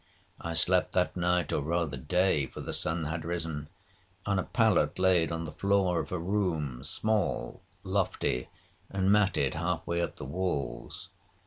I slept that night, or rather day, (for the sun had risen), on a pallet laid on the floor of a room, small, lofty, and matted half way up the walls.